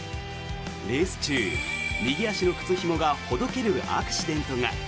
レース中、右足の靴ひもがほどけるアクシデントが。